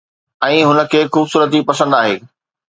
۽ هن کي خوبصورتي پسند آهي